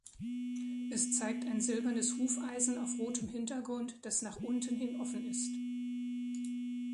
Es zeigt ein silbernes Hufeisen auf rotem Hintergrund, das nach unten hin offen ist.